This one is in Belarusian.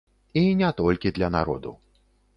І не толькі для народу.